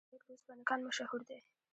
د حاجي ګک د وسپنې کان مشهور دی